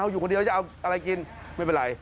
อยู่คนเดียวจะเอาอะไรกินไม่เป็นไร